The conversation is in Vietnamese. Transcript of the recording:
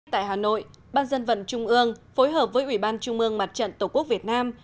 tại hà nội ban dân vận trung ương phối hợp với ủy ban trung mương mặt trận tổ quốc việt nam